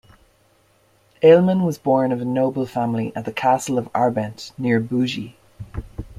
Aleman was born of a noble family at the castle of Arbent near Bugey.